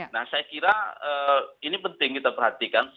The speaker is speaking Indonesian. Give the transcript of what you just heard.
nah saya kira ini penting kita perhatikan